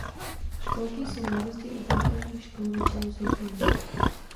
Školky jsou na rozdíl od základních škol většinou soukromé.